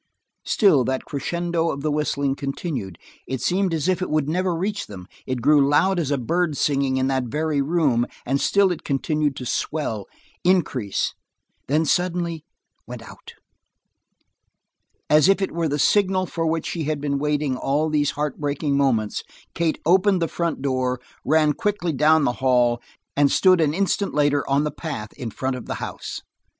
Still that crescendo of the whistling continued; it seemed as if it would never reach them; it grew loud as a bird singing in that very room, and still it continued to swell, increase then suddenly went out. As if it were the signal for which she had been waiting all these heartbreaking moments, Kate opened the front door, ran quickly down the hall, and stood an instant later on the path in front of the house.